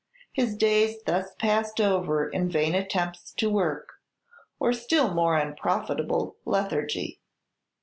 His days thus passed over in vain attempts to work, or still more unprofitable lethargy.